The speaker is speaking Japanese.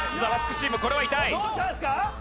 チームこれは痛い。